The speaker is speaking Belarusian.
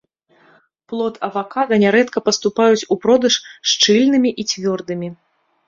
Плод авакада нярэдка паступаюць у продаж шчыльнымі і цвёрдымі.